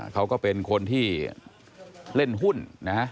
เขาก็เป็นคนที่เล่นหุ้นนะฮะ